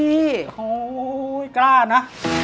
โอ้โหกล้านะ